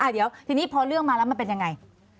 เดี๋ยวทีนี้พอเรื่องมาแล้วมันเป็นยังไง